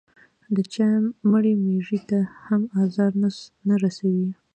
د چا مړې مېږې ته هم ازار نه رسوي.